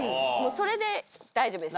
それで大丈夫です。